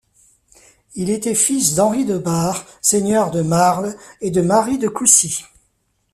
Il était fils d'Henri de Bar, seigneur de Marle, et de Marie de Coucy.